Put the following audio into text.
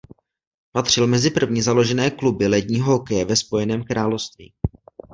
Patřil mezi první založené kluby ledního hokeje ve Spojeném království.